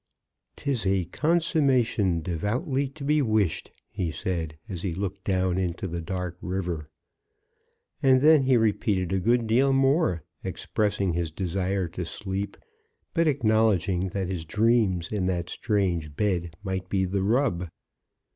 "''Tis a consummation devoutly to be wished,'" he said, as he looked down into the dark river. And then he repeated a good deal more, expressing his desire to sleep, but acknowledging that his dreams in that strange bed might be the rub.